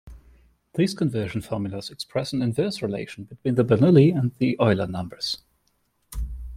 These conversion formulas express an inverse relation between the Bernoulli and the Euler numbers.